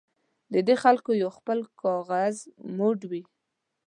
د دې خلکو یو خپل کاغذي موډ وي.